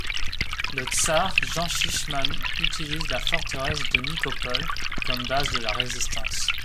Le tsar Jean Chichman utilise la forteresse de Nikopol comme base de la résistance.